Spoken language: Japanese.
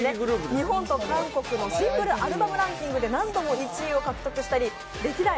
日本と韓国のシングルアルバムランキングで何度も１位を獲得したり歴代